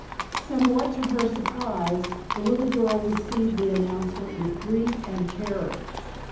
Somewhat to her surprise, the little girl received the announcement with grief and terror.